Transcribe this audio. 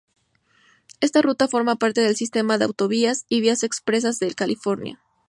Esta ruta forma parte del Sistema de Autovías y Vías Expresas de California.